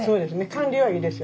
管理はいいですよね。